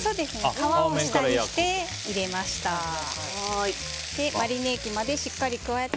皮を下にして入れました。